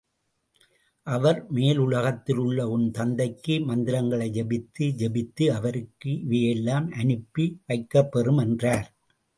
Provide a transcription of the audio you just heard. அவர், மேல் உலகத்தில் உள்ள உன் தந்தைக்கு மந்திரங்களை ஜெபித்து—ஜெபித்து அவருக்கு இவையெல்லாம் அனுப்பி வைக்கப்பெறும் என்றார்.